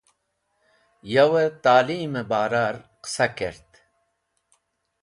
Yawẽ talimẽ barar qẽsa kert.